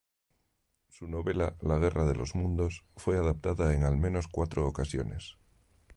Su novela "La guerra de los mundos" fue adaptada en al menos cuatro ocasiones.